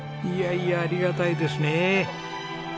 いやいやありがたいですね。